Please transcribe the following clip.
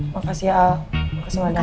makasih ya al makasih madam